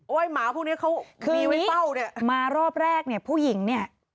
ว่าไอ้หมาพวกเนี้ยเขามีไว้เป้าเนี้ยคือนี้มารอบแรกเนี้ยผู้หญิงเนี้ย